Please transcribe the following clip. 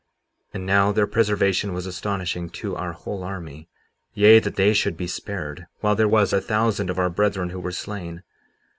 57:26 And now, their preservation was astonishing to our whole army, yea, that they should be spared while there was a thousand of our brethren who were slain.